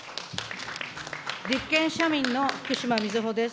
立憲・社民の福島みずほです。